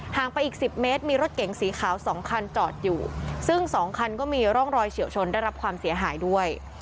งไปอีก๑๐เมตรมีรถเก๋งสีขาวสองคันจอดอยู่ซึ่งสองคันก็มีร่องรอยเฉียวชนได้รับความเสียหายด้วย